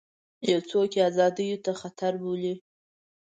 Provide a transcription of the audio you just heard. یو څوک یې ازادیو ته خطر بولي.